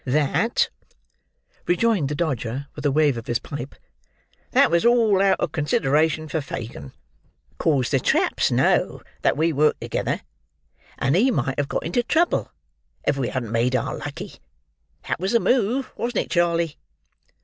"That," rejoined the Dodger, with a wave of his pipe, "That was all out of consideration for Fagin, 'cause the traps know that we work together, and he might have got into trouble if we hadn't made our lucky; that was the move, wasn't it, Charley?"